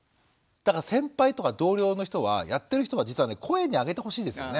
先輩とか同僚の人はやってる人は声に上げてほしいですよね。